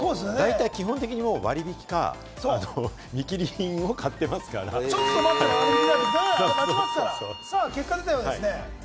基本的に割引品か、見切り品を買ってますか結果が出たようですね。